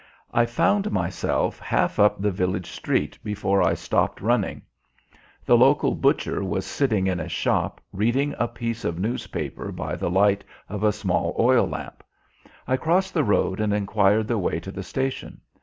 I found myself half up the village street before I stopped running. The local butcher was sitting in his shop reading a piece of newspaper by the light of a small oil lamp. I crossed the road and enquired the way to the station.